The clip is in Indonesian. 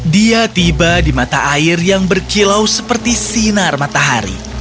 dia tiba di mata air yang berkilau seperti sinar matahari